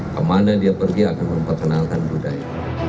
kami juga berdiakan memperkenalkan budaya